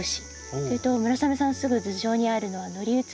それと村雨さんのすぐ頭上にあるのはノリウツギ。